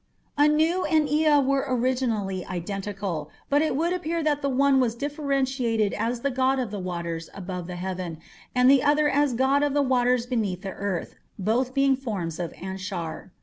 Anu and Ea were originally identical, but it would appear that the one was differentiated as the god of the waters above the heaven and the other as god of the waters beneath the earth, both being forms of Anshar.